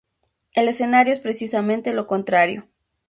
El escenario es precisamente lo contrario.